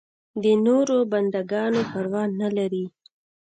د نورو بنده ګانو پروا نه لري.